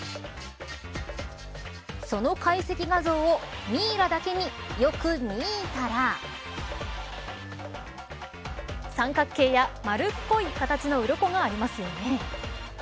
その解析画像をミイラだけによく見たら三角形やまるっこい形のうろこがありますよね。